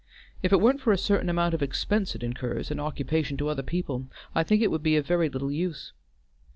If it weren't for a certain amount of expense it incurs, and occupation to other people, I think it would be of very little use.